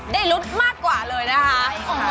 ได้รู้มากกว่าเลยนะคะ